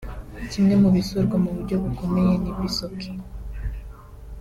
Kimwe mu bisurwa mu buryo bukomeye ni Bisoke